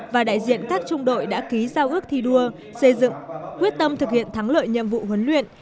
và đại diện các trung đội đã ký giao ước thi đua xây dựng quyết tâm thực hiện thắng lợi nhiệm vụ huấn luyện